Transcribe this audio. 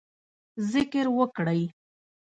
ذکر وکړئ